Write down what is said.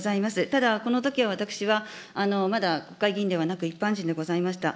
ただ、このときは私は、まだ国会議員ではなく、一般人でございました。